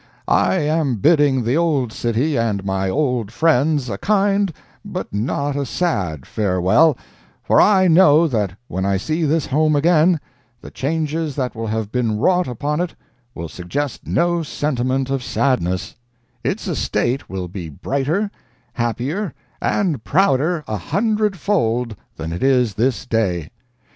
"I am bidding the old city and my old friends a kind, but not a sad farewell, for I know that when I see this home again, the changes that will have been wrought upon it will suggest no sentiment of sadness; its estate will be brighter, happier and prouder a hundred fold than it is this day.